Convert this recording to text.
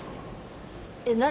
えっ何？